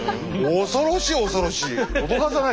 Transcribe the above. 恐ろしい恐ろしい！